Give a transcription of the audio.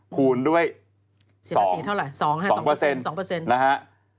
คูณด้วย๒ประเมตรนะฮะ๒ล้าน